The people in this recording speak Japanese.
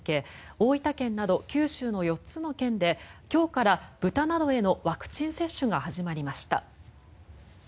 大分県など九州の４つの県で今日から豚などへのワクチン接種が始まりました。